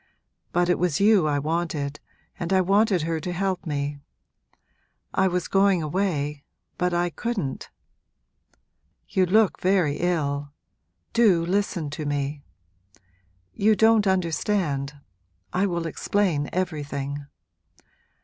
But it was you I wanted, and I wanted her to help me. I was going away but I couldn't. You look very ill do listen to me! You don't understand I will explain everything.